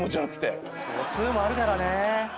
度数もあるからね。